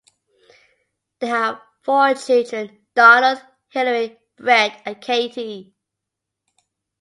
They have four children: Donald, Hillary, Bret, and Katie.